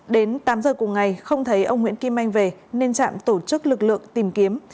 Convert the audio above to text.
đến tám giờ cùng ngày không thấy ông nguyễn kim anh về nên trạm tổ chức lực lượng tìm kiếm